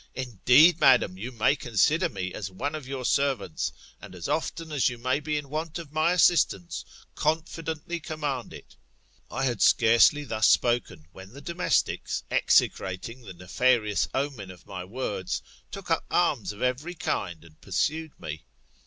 Indeed, madam, you may consider me as one of your servants ; and, as often as you may be in want of my assistance, confidently command it. I had scarcely thus spoken, when the domestics, execrating the nefarious omen of my words, took up arms of every kind and pursued me.